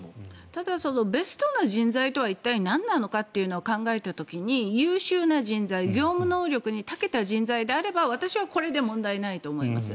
ただ、ベストな人材とは一体、なんなのかと考えた時に優秀な人材、業務能力にたけた人材であれば私はこれで問題ないと思います。